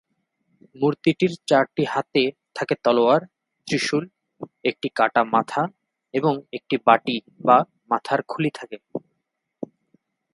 মূর্তিটির চারটি হাতে থাকে তলোয়ার, ত্রিশূল, একটি কাটা মাথা এবং একটি বাটি বা মাথার খুলি থাকে।